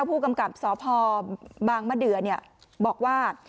ผู้กำกับสพบางมะเดือบอกว่า